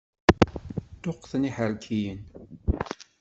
Ṭuqqten iḥerkiyen.